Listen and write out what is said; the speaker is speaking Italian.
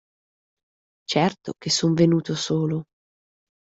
Certo che son venuto solo!